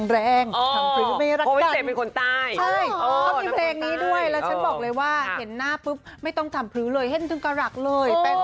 แปลงสีผ้าหลักจึงหลักเลย